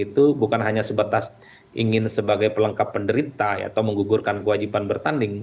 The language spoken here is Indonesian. itu bukan hanya sebatas ingin sebagai pelengkap penderita atau menggugurkan kewajiban bertanding